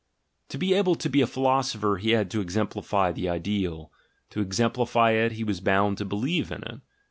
... To be able to be a philosopher he had to exemplify the ideal; to exemplify it, he was bound to believe in it.